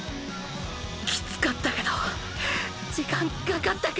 きつかったけど時間かかったけど！